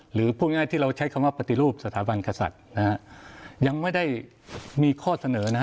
หรือพูดง่ายที่เราใช้คำว่าปฏิรูปสถาบันกษัตริย์นะฮะยังไม่ได้มีข้อเสนอนะฮะ